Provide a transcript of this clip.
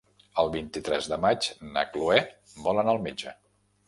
El vint-i-tres de maig na Chloé vol anar al metge.